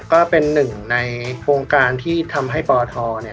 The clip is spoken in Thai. ก็เป็นหนึ่งในวงการที่ทำให้ปทเนี่ย